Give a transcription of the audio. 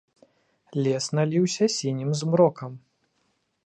Лес наліўся сінім змрокам.